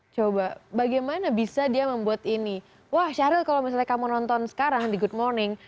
coba bagaimana bisa dia membuat ini wah syahril kalau misalnya kamu nonton sekarang di good morning